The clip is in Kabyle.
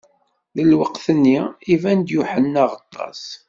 Di lweqt-nni, iban-d Yuḥenna Aɣeṭṭaṣ.